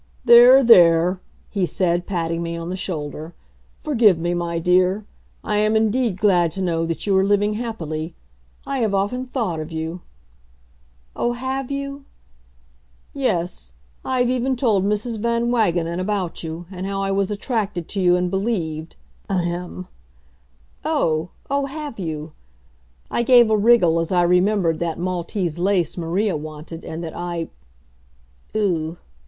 "There! there!" he said, patting me on the shoulder. "Forgive me, my dear. I am indeed glad to know that you are living happily. I have often thought of you " "Oh, have you?" "Yes I have even told Mrs. Van Wagenen about you and how I was attracted to you and believed ahem!" "Oh oh, have you!" I gave a wriggle as I remembered that Maltese lace Maria wanted and that I ugh!